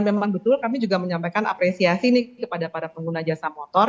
memang betul kami juga menyampaikan apresiasi kepada para pengguna jasa motor